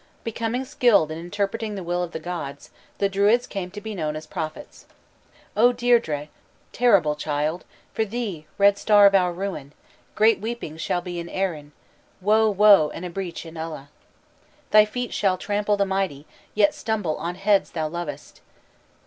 Becoming skilled in interpreting the will of the gods, the Druids came to be known as prophets. "O Deirdré, terrible child, For thee, red star of our ruin, Great weeping shall be in Eri Woe, woe, and a breach in Ulla. "Thy feet shall trample the mighty Yet stumble on heads thou lovest."